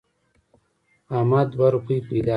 احمد دوه روپۍ پیدا کړې.